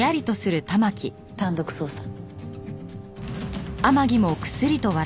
単独捜査。